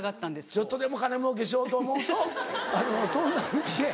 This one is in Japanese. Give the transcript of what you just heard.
ちょっとでも金もうけしようと思うとそうなるって。